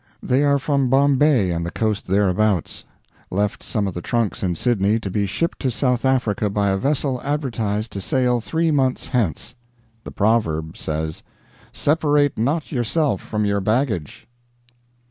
They are from Bombay and the coast thereabouts. Left some of the trunks in Sydney, to be shipped to South Africa by a vessel advertised to sail three months hence. The proverb says: "Separate not yourself from your baggage."